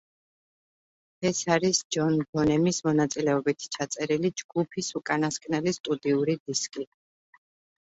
ეს არის ჯონ ბონემის მონაწილეობით ჩაწერილი ჯგუფის უკანასკნელი სტუდიური დისკი.